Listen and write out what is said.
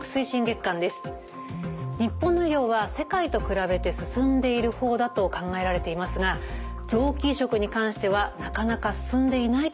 日本の医療は世界と比べて進んでいる方だと考えられていますが臓器移植に関してはなかなか進んでいないという現状があるんですね。